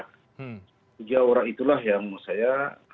tiga orang itulah yang menurut saya